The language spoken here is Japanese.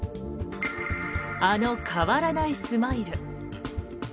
あの変わらないスマイル。